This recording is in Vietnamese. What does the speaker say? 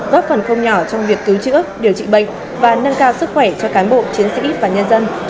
góp phần không nhỏ trong việc cứu chữa điều trị bệnh và nâng cao sức khỏe cho cán bộ chiến sĩ và nhân dân